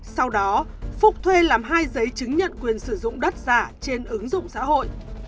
sau đó phúc thuê làm hai giấy chứng nhận quyền sử dụng đất giả trên ứng dụng xã hội